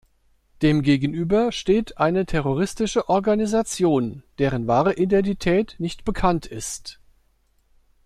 Demgegenüber steht eine terroristische Organisation, deren wahre Identität nicht bekannt ist.